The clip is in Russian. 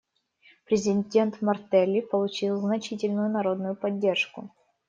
Президент Мартелли получил значительную народную поддержку.